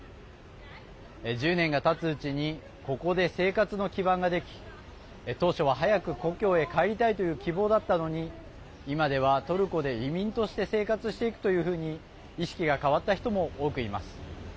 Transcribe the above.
１０年がたつうちにここで生活の基盤ができ当初は、早く故郷へ帰りたいという希望だったのに今では、トルコで移民として生活していくというふうに意識が変わった人も多くいます。